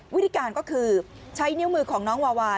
วิธีการก็คือใช้นิ้วมือของน้องวาวา